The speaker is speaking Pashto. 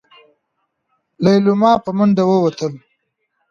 ليلما په منډه ووتله.